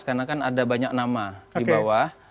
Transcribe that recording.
karena kan ada banyak nama di bawah